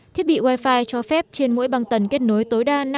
thiết bị wi fi cho phép trên mỗi băng tần kết nối tối đa